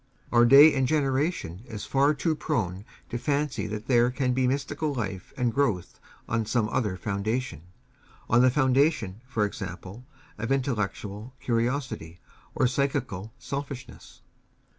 Our day and generation is far too prone to fancy that there can be mystical life and growth on some other foundation, on the foundation, for example, of intellectual curiosity or psychical selfishness.